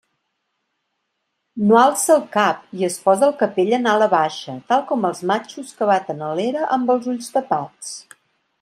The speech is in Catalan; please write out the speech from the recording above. No alça el cap i es posa el capell en ala baixa tal com els matxos que baten a l'era amb els ulls tapats.